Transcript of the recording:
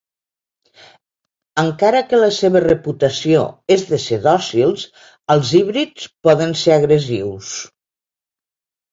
Encara que la seva reputació és de ser dòcils els híbrids poden ser agressius.